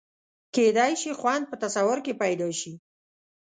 کېدای شي خوند په تصور کې پیدا شي.